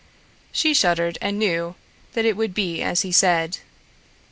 She shuddered and knew that it would be as he said.